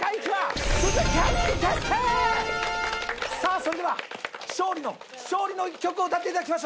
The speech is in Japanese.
さあそれでは勝利の１曲を歌っていただきましょう。